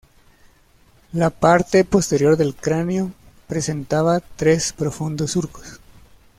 La parte posterior del cráneo presentaba tres profundos surcos.